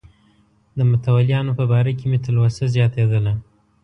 د متولیانو په باره کې مې تلوسه زیاتېدله.